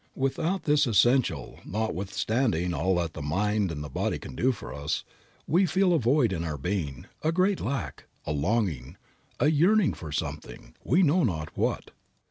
Without this essential, notwithstanding all that the mind and the body can do for us, we feel a void in our being, a great lack, a longing, a yearning for something, we know not what.